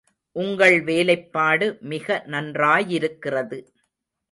உங்கள் வேலைப்பாடு மிக நன்றாயிருக்கிறது.